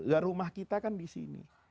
ya rumah kita kan disini